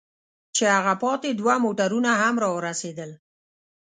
چې هغه پاتې دوه موټرونه هم را ورسېدل.